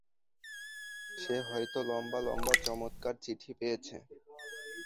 সে হয়তো লম্বা-লম্বা চমৎকার চিঠি পেয়েছে।